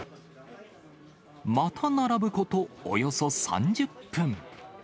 また並ぶこと、およそ３０分。